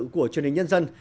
của truyền hình nhân dân